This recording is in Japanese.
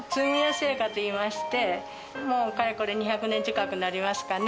製菓といいましてもうかれこれ２００年近くになりますかね。